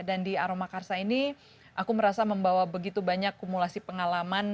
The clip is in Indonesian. dan di aromakarsa ini aku merasa membawa begitu banyak kumulasi pengalaman